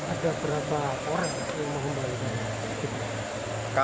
ada berapa orang yang mengembalikan